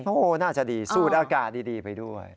โอ้โหน่าจะดีสูดอากาศดีไปด้วย